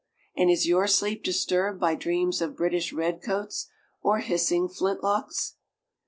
And is your sleep disturbed by dreams of British redcoats or hissing flintlocks?